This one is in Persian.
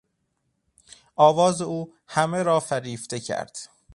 آواز او همه را فریفته کرد.